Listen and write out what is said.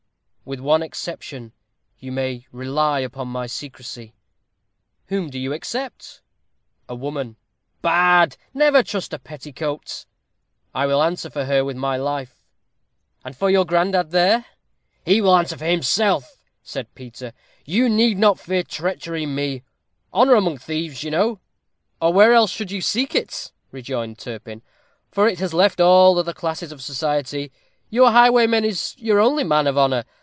"With one exception, you may rely upon my secrecy." "Whom do you except?" "A woman." "Bad! never trust a petticoat." "I will answer for her with my life." "And for your granddad there?" "He will answer for himself," said Peter. "You need not fear treachery in me. Honor among thieves, you know." "Or where else should you seek it?" rejoined Turpin; "for it has left all other classes of society. Your highwayman is your only man of honor.